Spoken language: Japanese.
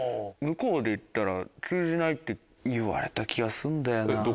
向こうで言ったら通じないって言われた気がすんだよな。